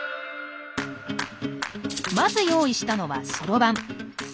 まず用意したのはそろばん。